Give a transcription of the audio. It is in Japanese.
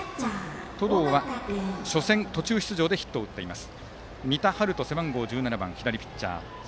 登藤は初戦、途中出場でヒットを打っています。